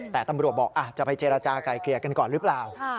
แต่ตำรวจบอกจะไปเจรจากลายเกลี่ยกันก่อนหรือเปล่า